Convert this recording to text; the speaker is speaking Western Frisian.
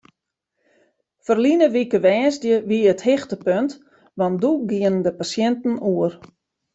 Ferline wike woansdei wie it hichtepunt want doe gienen de pasjinten oer.